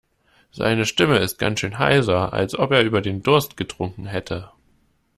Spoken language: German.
Seine Stimme ist ganz schön heiser, als ob er über den Durst getrunken hätte.